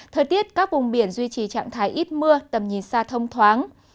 thời tiết các vùng biển duy trì trạng thái ít mưa tầm nhìn xa thông thoáng